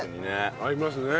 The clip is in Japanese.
合いますね。